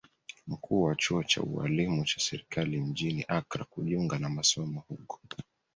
Mkuu wa chuo cha ualimu cha serikali mjini Accra kujiunga na masomo huko